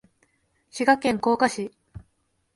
滋賀県甲賀市